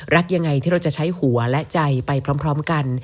รักยังไงที่เราจะใช้หัวและใจไปพร้อมกัน